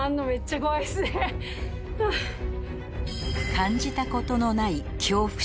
感じたことのない